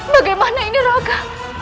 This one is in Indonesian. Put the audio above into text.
bagaimana ini raka